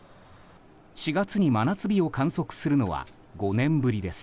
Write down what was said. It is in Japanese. ４月に真夏日を観測するのは５年ぶりです。